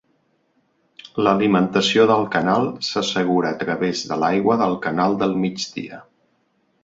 L'alimentació del canal s'assegura a través de l'aigua del canal del Migdia.